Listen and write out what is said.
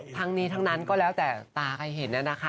ทั้งนี้ทั้งนั้นก็แล้วแต่ตาใครเห็นน่ะนะคะ